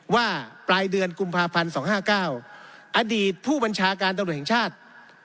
ปลายเดือนกุมภาพันธ์๒๕๙อดีตผู้บัญชาการตำรวจแห่งชาติ